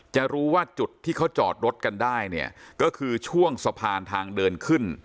จะรู้ว่าจุดที่เขาจอดรถกันได้เนี่ยก็คือช่วงสะพานทางเดินขึ้น